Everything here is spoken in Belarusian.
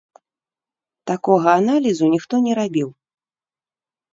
Такога аналізу ніхто не рабіў.